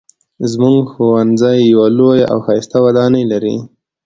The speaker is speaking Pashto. زموږ ښوونځی یوه لویه او ښایسته ودانۍ لري